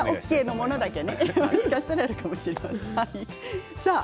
もしかしたらあるかもしれませんね。